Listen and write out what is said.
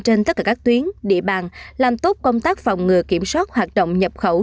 trên tất cả các tuyến địa bàn làm tốt công tác phòng ngừa kiểm soát hoạt động nhập khẩu